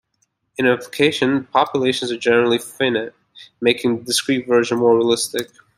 In application, populations are generally finite, making the discrete version more realistic.